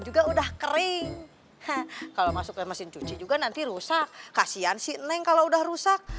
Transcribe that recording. juga udah kering kalau masuk ke mesin cuci juga nanti rusak kasihan si neng kalau udah rusak